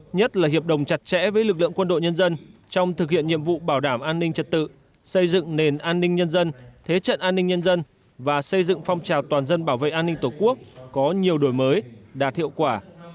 nhất là hiệp đồng chặt chẽ với lực lượng quân đội nhân dân trong thực hiện nhiệm vụ bảo đảm an ninh trật tự xây dựng nền an ninh nhân dân thế trận an ninh nhân dân và xây dựng phong trào toàn dân bảo vệ an ninh tổ quốc có nhiều đổi mới đạt hiệu quả